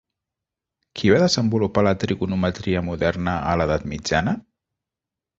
Qui va desenvolupar la trigonometria moderna a l'edat mitjana?